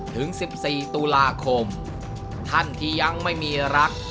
ถึง๑๔ตุลาคมท่านที่ยังไม่มีรัก